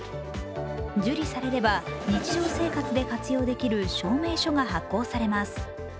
受理されれば日常生活で活用できる証明書が発行されます。